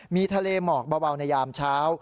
มีทะเลหมอกเบาในยามเช้า